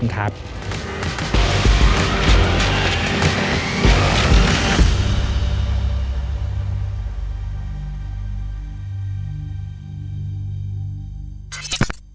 ขอบคุณครับ